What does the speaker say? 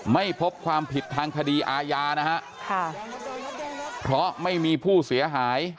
ไม่พบความผิดทางคดีอาญานะฮะค่ะเพราะไม่มีผู้เสียหาย